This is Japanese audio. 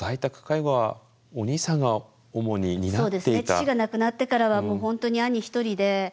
父が亡くなってからはもう本当に兄一人で。